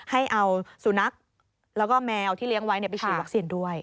ให้เอาสุนัขแล้วก็แมวที่เลี้ยงไว้ไปฉีดวัคซีนด้วย